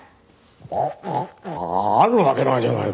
ああるわけないじゃないか。